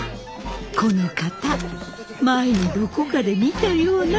この方前にどこかで見たような。